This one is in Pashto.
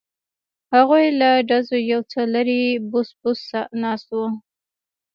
هغوی له ډزو یو څه لرې بوڅ بوڅ ناست وو.